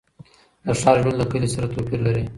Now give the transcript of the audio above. د ښار ژوند له کلي سره توپیر لري.